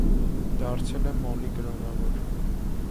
Դարձել է մոլի կրոնավոր։